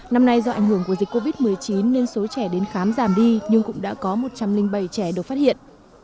năm nay do ảnh hưởng của dịch covid một mươi chín nên số trẻ đến khám giảm đi nhưng cũng đã có một trăm linh bảy trẻ được phát hiện